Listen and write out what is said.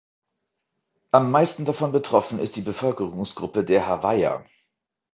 Am meisten davon betroffen ist die Bevölkerungsgruppe der Hawaiier.